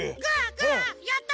グー？やった！